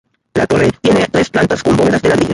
La torre tiene tres plantas con bóvedas de ladrillo.